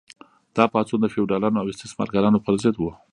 دا پاڅون د فیوډالانو او استثمارګرانو پر ضد و.